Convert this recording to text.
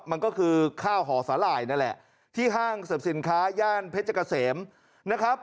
มันก็คือข้าวหอสาหร่ายนั่นแหละที่ห้างเสริมสินค้าย่านเพชรเกษมนะครับ